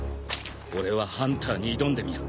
俺はハンターに挑んでみる。